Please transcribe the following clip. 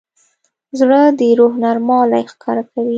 زړه د روح نرموالی ښکاره کوي.